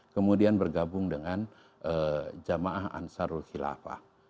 kemudian bergabung dengan jamaah ansarul khilafah